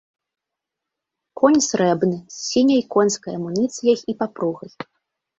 Конь срэбны з сіняй конскай амуніцыяй і папругай.